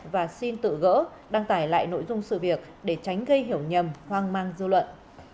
và xin tự gỡ đăng tải lại nội dung sự việc để tránh gây hiểu nhầm hoang mang dư luận